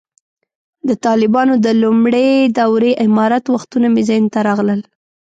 د طالبانو د لومړۍ دورې امارت وختونه مې ذهن ته راغلل.